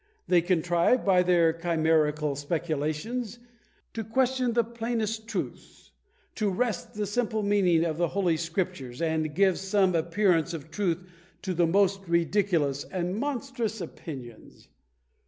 They contrived, by their chimerical speculations, to question the plainest truths; to wrest the simple meaning of the Holy Scriptures, and give some appearance of truth to the most ridiculous and monstrous opinions.